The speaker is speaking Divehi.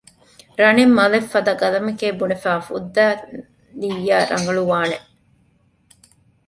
ރަނެއް މަލެއް ފަދަ ގަލަމެކޭ ބުނެފައި ފުއްދައިލިއްޔާ ރަނގަޅުވާނެ